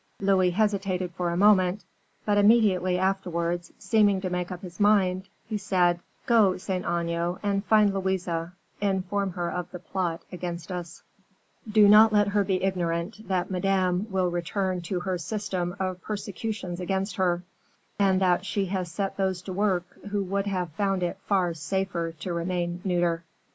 Louis hesitated for a moment, but immediately afterwards, seeming to make up his mind, he said: "Go, Saint Aignan, and find Louise; inform her of the plot against us; do not let her be ignorant that Madame will return to her system of persecutions against her, and that she has set those to work who would have found it far safer to remain neuter."